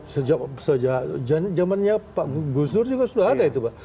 sejak jamannya pak gusur juga sudah ada itu pak